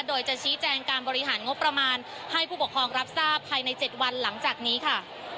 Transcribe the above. โดยจะชี้แจงการบริหารงบประมาณให้ผู้ปกครองรับทราบภายใน๗วันหลังจากนี้ค่ะ